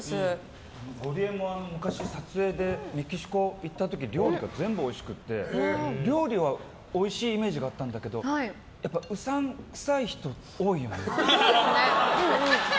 ゴリエも昔、撮影でメキシコ行った時料理が全部おいしくて料理はおいしいイメージがあったんだけど多いですね。